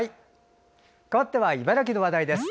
かわって、茨城の話題です。